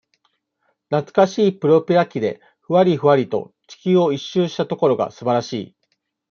なつかしいプロペラ機で、ふわりふわりと、地球を一周したところがすばらしい。